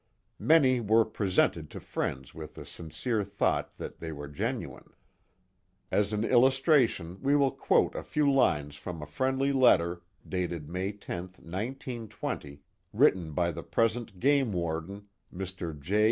Many were presented to friends with a sincere thought that they were genuine. As an illustration we will quote a few lines from a friendly letter, dated May 10th, 1920, written by the present game warden, Mr. J.